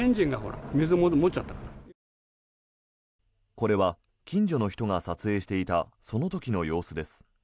これは近所の人が撮影していたその時の様子です。